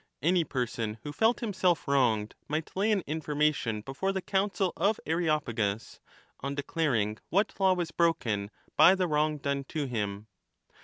Any person who felt himself wronged might lay an information before the Council of Areopagus, on declaring what law was broken by the wrong done to him.